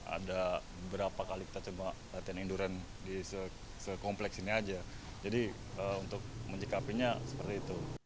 ada beberapa kali kita coba latihan endurance di sekompleks ini aja jadi untuk menjaga apinya seperti itu